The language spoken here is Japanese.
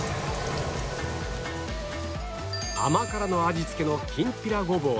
甘辛の味付けのきんぴらごぼうや